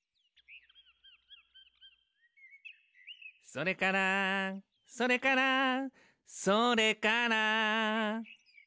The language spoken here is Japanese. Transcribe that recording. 「それからそれからそれから」